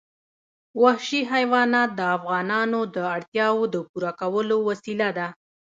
وحشي حیوانات د افغانانو د اړتیاوو د پوره کولو وسیله ده.